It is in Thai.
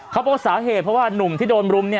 เขาก็สาเหตุเพราะว่าหนุ่มที่โดนลุม